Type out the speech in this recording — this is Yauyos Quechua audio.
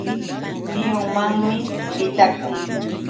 Tiyunmanmi ritakun.